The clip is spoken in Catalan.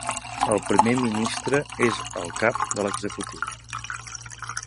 El primer ministre és el cap de l'executiu.